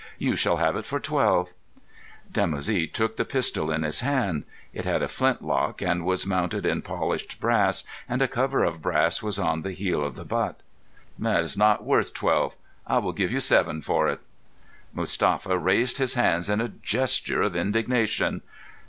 You shall have it for twelve." Dimoussi took the pistol in his hand. It had a flint lock and was mounted in polished brass, and a cover of brass was on the heel of the butt. "It is not worth twelve. I will give you seven for it." Mustapha raised his hands in a gesture of indignation.